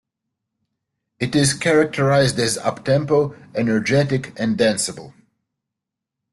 It is characterized as uptempo, energetic, and danceable.